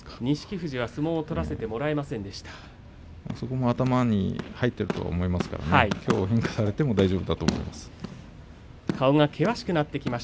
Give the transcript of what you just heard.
富士が相撲をそこも頭に入っていると思いますからきょうは変化されても大丈夫です。